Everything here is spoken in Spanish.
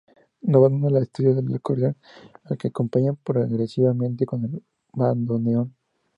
No abandona el estudio del acordeón al que acompaña progresivamente con el bandoneón.